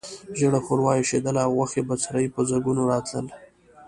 ژېړه ښوروا اېشېدله او غوښې بڅري په ځګونو راتلل.